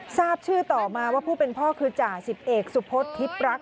ทราบชื่อต่อมาว่าผู้เป็นพ่อคือจ่าสิบเอกสุพศทิพย์รักษ